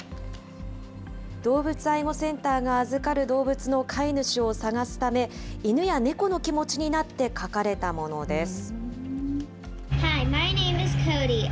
動物愛護センターが預かる動物の飼い主を探すため、犬や猫の気持ちになって書かれたものです。